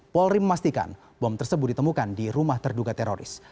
polri memastikan bom tersebut ditemukan di rumah terduga teroris